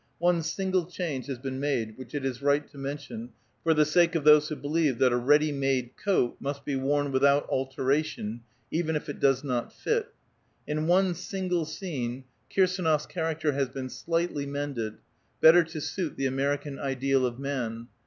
One single change has PREFACE. IX been made, which it is right to meution, for the sake of those who believe that a ready made coat must be woru with out alteration, even if it does not fit. In one single scene Ku'sdnof's character has been slightly mended, better to suit the American ideal of man.